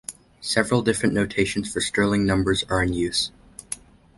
Several different notations for Stirling numbers are in use.